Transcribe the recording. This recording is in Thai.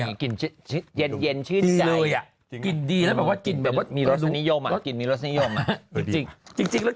อ่ะกลิ่นเย็นชื่นเลยอ่ะกลิ่นดีแล้วก็กินแบบว่ามีรสนิยมกินมีรสนิยมจริงจริง